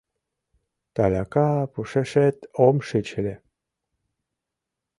Таляка пушешет ом шич ыле.